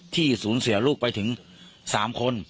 ที่สูญเสียลูกไปถึง๓คน